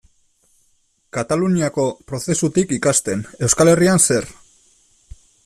Kataluniako prozesutik ikasten, Euskal Herrian zer?